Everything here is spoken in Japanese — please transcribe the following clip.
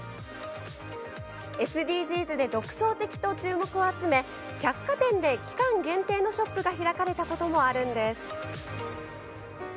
ＳＤＧｓで独創的と注目を集め百貨店で期間限定のショップが開かれたこともあるんです。